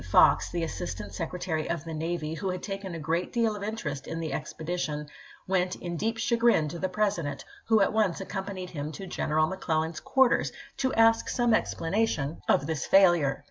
Fox, the Assistant Secretary of the Navy, who had taken a great deal of interest in the expedition, went in deep chagrin to the President, who at once accompanied him to General McClel lan's quarters to ask some explanation of this 452 ABEAHAM LINCOLN ch, XXV. failure.